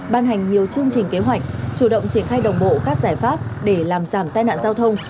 ban hành nhiều chương trình kế hoạch chủ động triển khai đồng bộ các giải pháp để làm giảm tai nạn giao thông